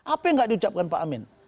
apa yang tidak diucapkan pak amin